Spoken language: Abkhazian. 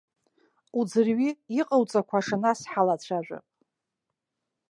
Уӡырҩи, иҟауҵақәаша нас ҳалацәажәап.